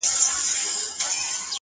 وه كلي ته زموږ راځي مـلـنگه ككـرۍ؛